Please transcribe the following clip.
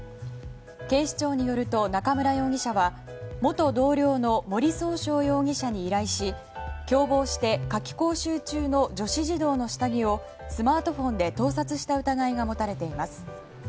警視庁によると中村容疑者は元同僚の森崇翔容疑者に依頼し共謀して夏期講習中の女子児童の下着をスマートフォンで盗撮した疑いが持たれています。